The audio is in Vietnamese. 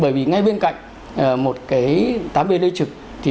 bởi vì ngay bên cạnh một cái tám b đê trực